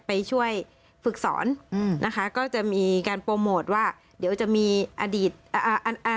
ไปช่วยฝึกสอนอืมนะคะก็จะมีการโปรโมทว่าเดี๋ยวจะมีอดีตอ่าอันอ่า